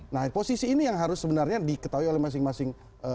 nah posisi ini yang harus sebenarnya diketahui oleh masing masing